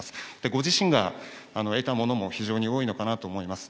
ご自身が得たものも非常に多いのかなと思います。